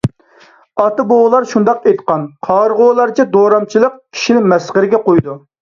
ئاتا - بوۋىلار شۇنداق ئېيتقان: قارىغۇلارچە دورامچىلىق كىشىنى مەسخىرىگە قويىدۇ.